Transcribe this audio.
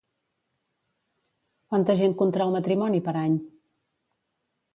Quanta gent contrau matrimoni per any?